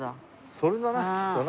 それだなきっとな。